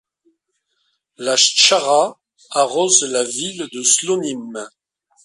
La Chtchara arrose la ville de Slonim.